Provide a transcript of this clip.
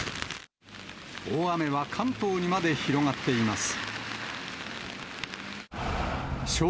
大雨は関東にまで広がっています。